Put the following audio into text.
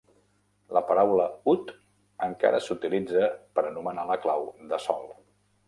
La paraula "ut" encara s'utilitza per anomenar la clau de sol.